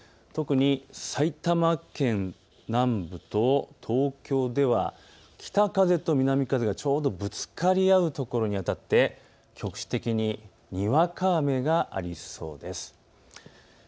特に埼玉県南部と東京では北風と南風がちょうどぶつかり合うところにあたって局地的ににわか雨がありそうです。